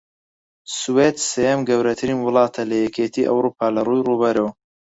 سوێد سێیەم گەورەترین وڵاتە لە یەکێتی ئەوڕوپا لەڕووی ڕووبەرەوە